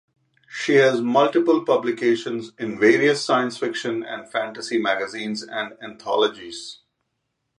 She has multiple publications in various science fiction and fantasy magazines and anthologies.